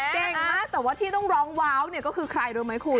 เก่งมากแต่ว่าที่ต้องร้องว้าวเนี่ยก็คือใครรู้ไหมคุณ